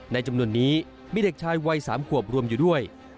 จำนวนนี้มีเด็กชายวัย๓ขวบรวมอยู่ด้วย